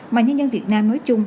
mà nhân dân việt nam nói chung